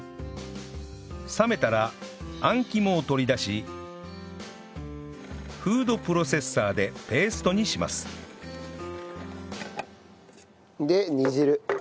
冷めたらあん肝を取り出しフードプロセッサーでペーストにしますで煮汁。